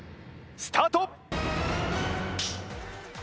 スタート。